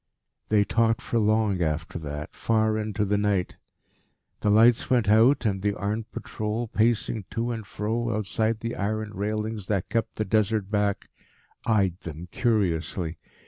They talked for long after that far into the night. The lights went out, and the armed patrol, pacing to and fro outside the iron railings that kept the desert back, eyed them curiously.